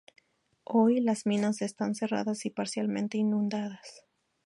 Hoy las minas están cerradas y parcialmente inundadas.